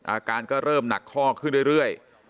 อาการก็เริ่มหนักข้อขึ้นเรื่อย